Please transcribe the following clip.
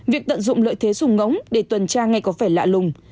việc tận dụng lợi thế dùng ngỗng để tuần tra ngay có phải lạ lùng